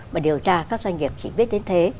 mà điều tra các doanh nghiệp chỉ biết đến thế